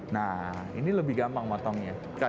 nah ini lebih gampang potongnya